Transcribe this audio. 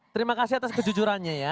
terima kasih atas kejujurannya ya